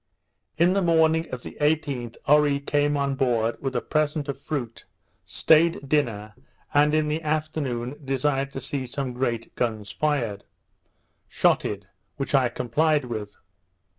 In the morning of the 18th, Oree came on board with a present of fruit, stayed dinner, and in the afternoon desired to see some great guns fired, shotted, which I complied with.